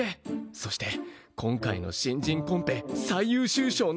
そして今回の新人コンペ最優秀賞の最有力候補だ。